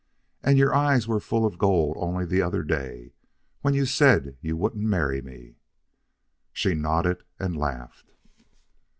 "And your eyes were full of gold only the other day, when you said you wouldn't marry me." She nodded and laughed.